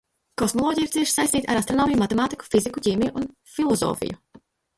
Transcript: Kosmoloģija ir cieši saistīta ar astronomiju, matemātiku, fiziku, ķīmiju, filozofiju.